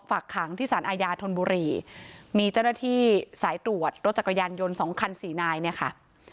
ฝากขังที่สารอาญาธนบุรีมีเจ้าหน้าที่สายตรวจรถจักรยานยนต์สองคันสี่นายเนี่ยค่ะ